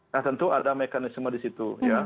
nah tentu ada mekanisme disitu